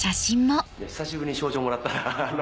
久しぶりに賞状もらったな。